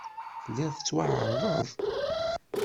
Telliḍ tettwaɛerḍeḍ?